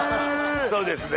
そうですね。